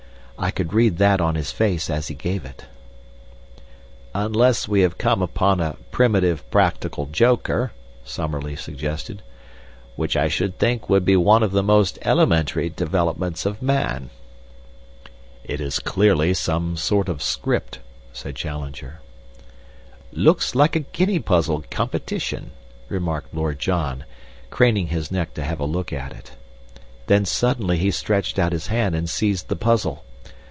"I could read that on his face as he gave it." "Unless we have come upon a primitive practical joker," Summerlee suggested, "which I should think would be one of the most elementary developments of man." "It is clearly some sort of script," said Challenger. "Looks like a guinea puzzle competition," remarked Lord John, craning his neck to have a look at it. Then suddenly he stretched out his hand and seized the puzzle.